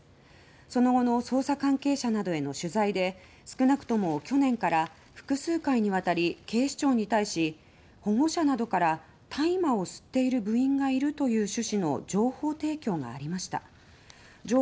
その後の捜査関係者などへの取材で少なくとも去年から複数回にわたり警視庁に対し保護者などから大麻を吸っている部員がいるという趣旨の情報提供がありました。